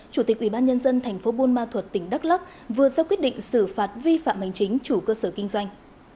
chủ tịch ubnd tp bôn ma thuật tỉnh đắk lắk vừa sau quyết định xử phạt vi phạm hành chính chủ cơ sở kinh doanh